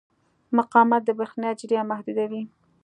مقاومت د برېښنا جریان محدودوي.